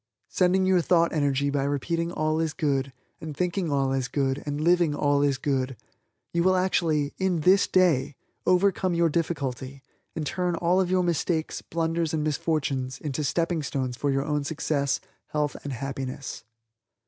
Sending your thought energy by repeating All is Good, and thinking All is Good, and living All is Good, you will actually, in this day, overcome your difficulty, and turn all of your mistakes, blunders and misfortunes into stepping stones for your own success, health and happiness.